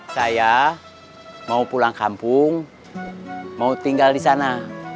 saya mau pulang kampung mau tinggal di sana